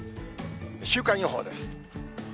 週間予報です。